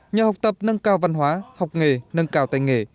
nhờ học tập nâng cao văn hóa học nghề nâng cao tay nghề